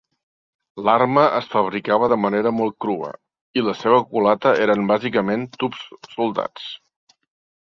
L'arma es fabricava de manera molt crua, i la seva culata eren bàsicament tubs soldats.